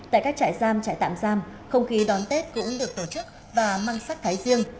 tại các trại giam trại tạm giam không khí đón tết cũng được tổ chức và mang sắc thái riêng